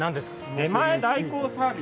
出前代行サービス。